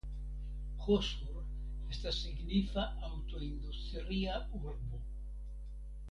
Hosur estas signifa aŭtoindustria urbo.